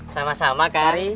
sama sama kak ari